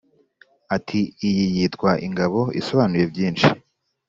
Ati Iyi yitwa Ingabo Isobanuye byinshi